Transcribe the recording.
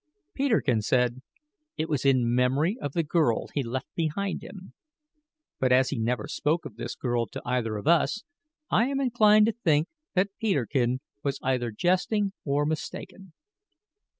Peterkin said, "it was in memory of the girl he left behind him!" But as he never spoke of this girl to either of us, I am inclined to think that Peterkin was either jesting or mistaken.